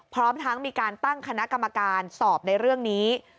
พร้อมทั้งมีการตั้งคณะกรรมการสอบในเรื่องนี้